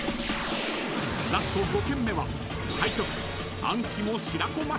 ［ラスト５軒目は］